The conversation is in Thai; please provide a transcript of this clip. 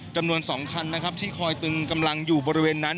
จำนวน๒คันนะครับที่คอยตึงกำลังอยู่บริเวณนั้น